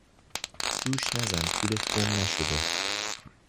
جوش نزن پولت گم نشده.